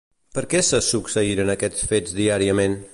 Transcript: Per què se succeïen aquests fets diàriament?